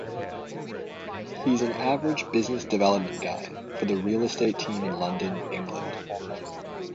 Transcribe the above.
He's an average business development guy for the Real Estate Team in London, England.